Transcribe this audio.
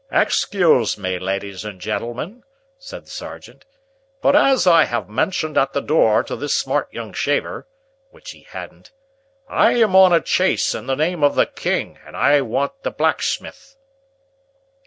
"Excuse me, ladies and gentleman," said the sergeant, "but as I have mentioned at the door to this smart young shaver," (which he hadn't), "I am on a chase in the name of the king, and I want the blacksmith."